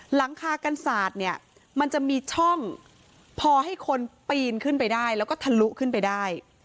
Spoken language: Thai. หลังคากันศาสตร์เนี่ยมันจะมีช่องพอให้คนปีนขึ้นไปได้แล้วก็ทะลุขึ้นไปได้